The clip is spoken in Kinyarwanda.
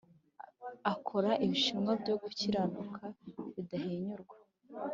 akora ibishimwa byo gukiranuka bidahinyurwa